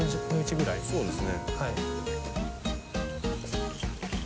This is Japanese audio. そうですね。